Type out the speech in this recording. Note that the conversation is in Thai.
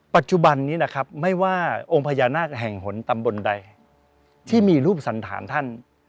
ปัจจุบันนี้นะครับไม่ว่าองค์พญานาคแห่งหนตำบลใดที่มีรูปสันฐานท่าน